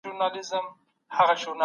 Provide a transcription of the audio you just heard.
پاتې نیم عمل دی.